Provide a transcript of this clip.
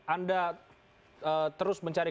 anda terus mencari